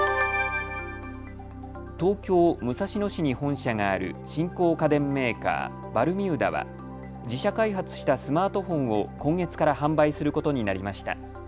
東京武蔵野市に本社がある新興家電メーカー、バルミューダは自社開発したスマートフォンを今月から販売することになりました。